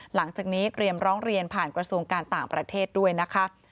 หลังจากนี้เตรียมร้องเรียนผ่านกระทรวงการต่างประเทศด้วยนะคะ